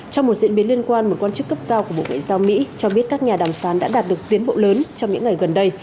trong một diễn biến liên quan một quan chức cấp cao của bộ ngoại giao mỹ cho biết các nhà đàm phán đã đạt được tiến bộ lớn trong những ngày gần đây